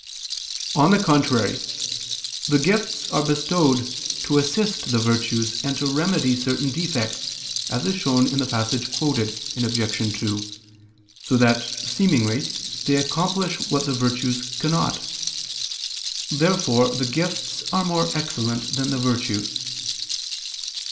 On the contrary, The gifts are bestowed to assist the virtues and to remedy certain defects, as is shown in the passage quoted (Obj. 2), so that, seemingly, they accomplish what the virtues cannot. Therefore the gifts are more excellent than the virtues.